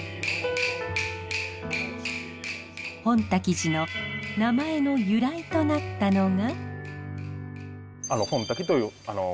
本瀧寺の名前の由来となったのが。